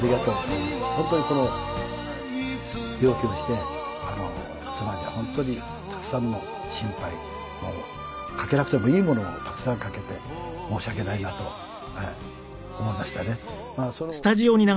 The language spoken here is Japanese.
本当にこの病気をして妻には本当にたくさんの心配かけなくてもいいものをたくさんかけて申し訳ないなと思いましたね。